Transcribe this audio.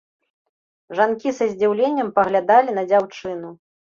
Жанкі са здзіўленнем паглядалі на дзяўчыну.